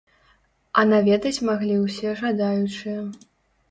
А на ведаць маглі ўсе жадаючыя.